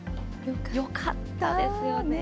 よかったですよね。